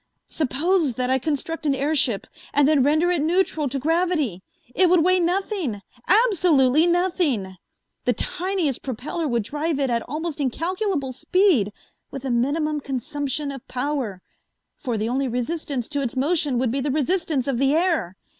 Suppose that I construct an airship and then render it neutral to gravity. It would weigh nothing, absolutely nothing! The tiniest propeller would drive it at almost incalculable speed with a minimum consumption of power, for the only resistance to its motion would be the resistance of the air.